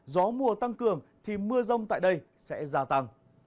gió mùa tăng cường thì mưa rông tại đây sẽ gia tăng